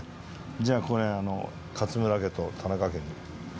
じゃあこれ勝村家と田中家に。